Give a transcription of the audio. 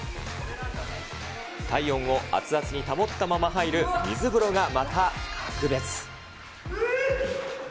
体温を熱々に保ったまま入る水風呂がまた格別。